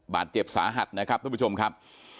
บาดเจ็บสาหัสนะครับทุกผู้ชมครับ